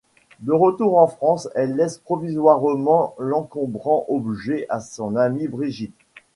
De retour en France, elle laisse provisoirement l'encombrant objet à son amie Brigitte.